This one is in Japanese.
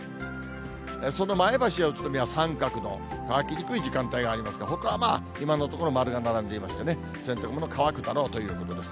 その前橋や宇都宮、三角の乾きにくい時間帯がありますが、ほかはまあ今のところ、丸が並んでいましてね、洗濯物乾くだろうということです。